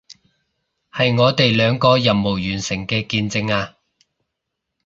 係我哋兩個任務完成嘅見證啊